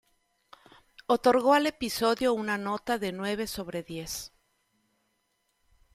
Otorgó al episodio una nota de nueve sobre diez.